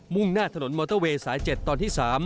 ่งหน้าถนนมอเตอร์เวย์สาย๗ตอนที่๓